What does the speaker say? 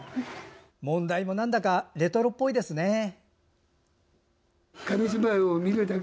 問題もなんだかレトロっぽいですね。